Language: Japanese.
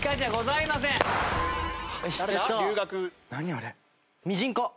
あれ。